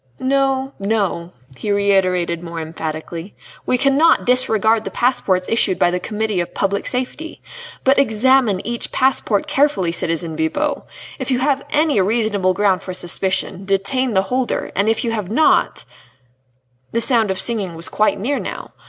"No, no," he reiterated more emphatically, "we cannot disregard the passports issued by the Committee of Public Safety. But examine each passport carefully, citizen Bibot! If you have any reasonable ground for suspicion, detain the holder, and if you have not " The sound of singing was quite near now.